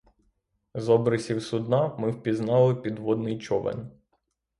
З обрисів судна ми впізнали підводний човен.